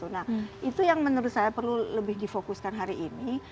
nah itu yang menurut saya perlu lebih difokuskan hari ini